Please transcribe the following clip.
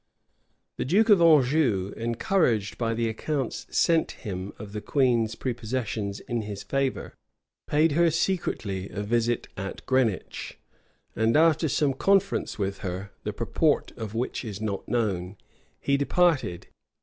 [*] The duke of Anjou, encouraged by the accounts sent him of the queen's prepossessions in his favor, paid her secretly a visit at Greenwich; and after some conference with her, the purport of which is not known, he departed.